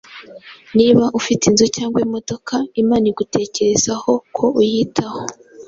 Niba ufite inzu cyangwa imodoka, Imana igutegerezaho ko uyitaho.